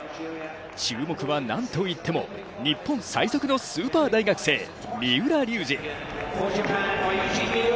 注目は何といっても日本最速のスーパー大学生・三浦龍司。